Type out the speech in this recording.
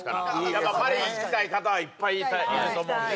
やっぱパリ行きたい方はいっぱいいると思うんでね。